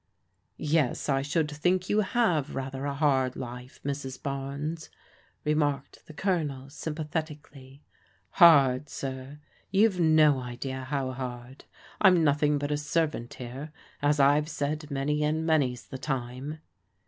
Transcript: " Yes, I should think you have rather a hard life, Mrs. Barnes," remarked the Colonel sympathetically. " Hard, sir. You've no idea how hard. I'm nothing but a servant here, as I've said many and many's the time."